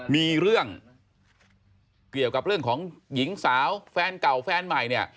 มีเรื่องเกี่ยวกับเรื่องของหญิงสาวแฟนเก่าแฟนใหม่เนี่ย